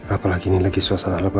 apalagi ini lagi suasana ramadan